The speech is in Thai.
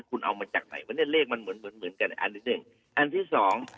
คุณเอามาจากไหนเลขมันเหมือนกันอันที่สอง